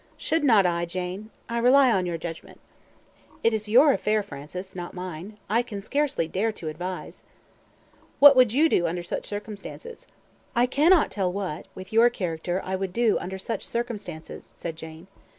Should not I, Jane? I rely on your judgment." "It is your affair, Francis, not mine. I can scarcely dare to advise." "What would you do under such circumstances?" "I cannot tell what, with your character, I would do under such circumstances," said Jane.